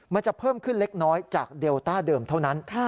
มันจะเพิ่มขึ้นเล็กน้อยจากเดลต้าเดิมเท่านั้น